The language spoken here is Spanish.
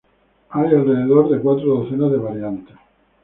Hay alrededor de cuatro docenas de variantes.